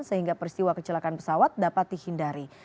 sehingga peristiwa kecelakaan pesawat dapat dihindari